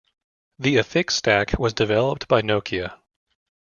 The Affix stack was developed by Nokia.